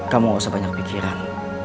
kamu gak usah banyak pikiran